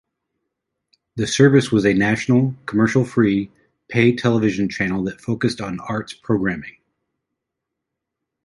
The service was a national commercial-free pay television channel that focused on arts programming.